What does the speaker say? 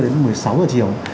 đến một mươi sáu h chiều